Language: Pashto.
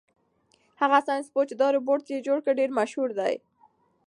هغه ساینس پوه چې دا روبوټ یې جوړ کړ ډېر مشهور دی.